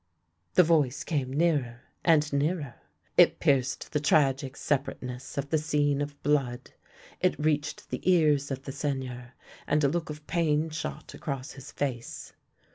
Tiie voice came nearer and nearer. It pierced the tragic separateness of the scene of blood. It reached the ears of the Seigneur, and a look of pain shot across his face.